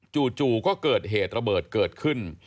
จู่ก็เกิดเหตุระเบิดเกิดขึ้น